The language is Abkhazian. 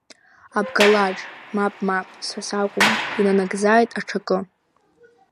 Абгалаџ мап, мап, са сакәым, инанагӡааит аҽакы.